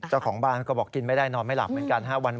เจ้าของบ้านก็บอกกินไม่ได้นอนไม่หลับเหมือนกัน